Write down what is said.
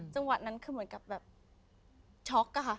จังหวัดนั้นคือเหมือนกับช็อก